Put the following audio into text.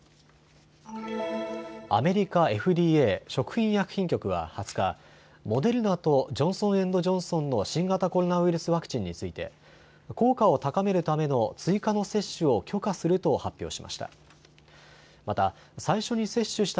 アメリカＦＤＡ・食品医薬品局は２０日、モデルナとジョンソン・エンド・ジョンソンの新型コロナウイルスワクチンについて効果を高めるための追加の接種を許可すると発表しました。